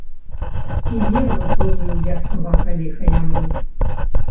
І верна служыў, як сабака, ліха яму.